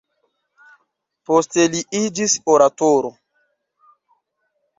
Poste li iĝis oratoro.